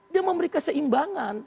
dia memberikan seimbangan